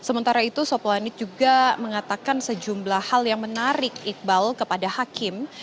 sementara itu soplanit juga mengatakan sejumlah hal yang menarik iqbal kepada hakim